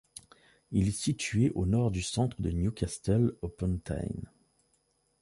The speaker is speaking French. Il est situé au nord du centre de Newcastle upon Tyne.